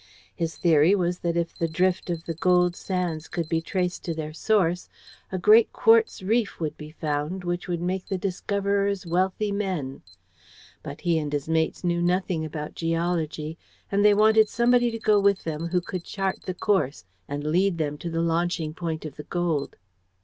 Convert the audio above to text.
His theory was that if the drift of the gold sands could be traced to their source, a great quartz reef would be found which would make the discoverers wealthy men. But he and his mates knew nothing about geology, and they wanted somebody to go with them who could chart the course, and lead them to the launching point of the gold.